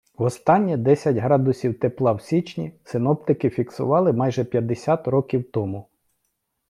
Востаннє десять градусів тепла в січні синоптики фіксували майже п'ятдесят років тому.